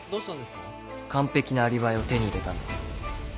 （鳴完璧なアリバイを手に入れたんだ。